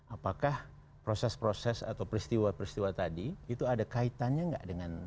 apakah proses proses atau peristiwa peristiwa tadi itu ada kaitannya nggak dengan